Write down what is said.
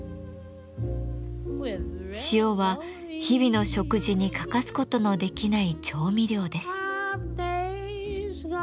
塩は日々の食事に欠かすことのできない調味料です。